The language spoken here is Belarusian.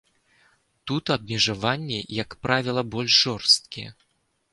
Тут абмежаванні, як правіла, больш жорсткія.